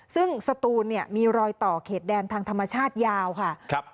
ซึ่งสตูนเนี่ยมีรอยต่อเขตแดนทางธรรมชาติยาวค่ะ